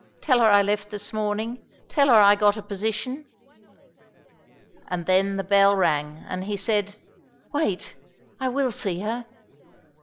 Tell her I left this morning.... Tell her I got a position." And then the bell rang and he said: "Wait I will see her."